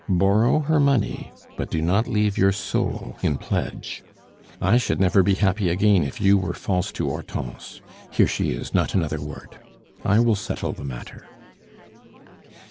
Borrow her money, but do not leave your soul in pledge. I should never be happy again if you were false to Hortense here she is! not another word! I will settle the matter."